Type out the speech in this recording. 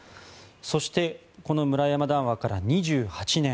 そしてこの村山談話から２８年。